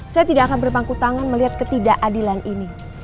saya tidak akan berpangku tangan melihat ketidakadilan ini